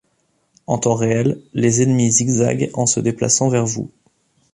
En temps réel les ennemis zigzaguent en se déplaçant vers vous.